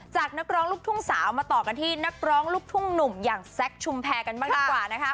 นักร้องลูกทุ่งสาวมาต่อกันที่นักร้องลูกทุ่งหนุ่มอย่างแซคชุมแพรกันบ้างดีกว่านะคะ